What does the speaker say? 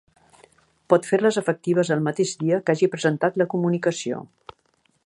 Pot fer-les efectives el mateix dia que hagi presentat la comunicació.